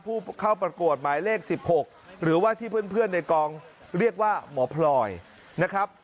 ผู้เข้าประกวดหมายเลข๑๖หรือว่าที่เพื่อนในกองเรียกว่าหมอพลอยนะครับ